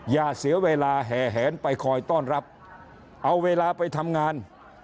อย่าเสียเวลาแห่แหนไปคอยต้อนรับเอาเวลาไปทำงาน